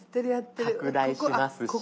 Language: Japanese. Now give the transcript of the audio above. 拡大しますし。